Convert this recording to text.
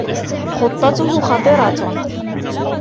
خطته خطرة!